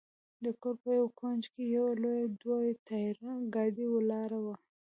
د کور په یوه کونج کې یوه لویه دوه ټایره ګاډۍ ولاړه وه.